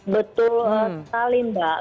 betul sekali mbak